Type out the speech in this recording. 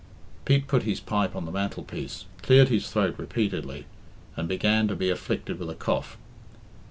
Pete put his pipe on the mantelpiece, cleared his throat repeatedly, and began to be afflicted with a cough.